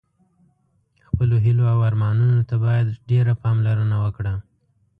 خپلو هیلو او ارمانونو ته باید ډېره پاملرنه وکړه.